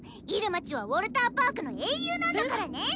イルマちはウォルターパークの英雄なんだからね！